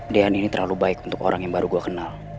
dean ini terlalu baik untuk orang yang baru gue kenal